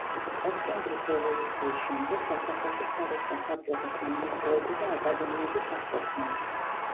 ოქტომბრის რევოლუციის შემდეგ სასახლეში სხვადასხვა საბჭოთა სამინისტროები და აკადემიები სახლობდნენ.